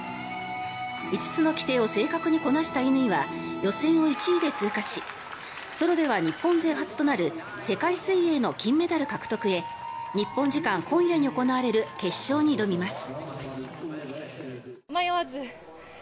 ５つの規定を正確にこなした乾は予選を１位で通過しソロでは日本勢初となる世界水泳の金メダル獲得へ日本時間今夜に行われる決勝に挑みます。